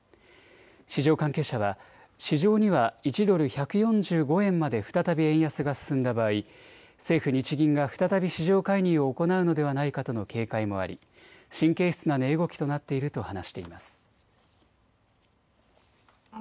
市場関係者は市場には１ドル１４５円まで再び円安が進んだ場合、政府・日銀が再び市場介入を行うのではないかとの警戒もあり神経質な値動きとなっていると話しています。